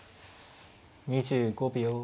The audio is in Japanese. ２５秒。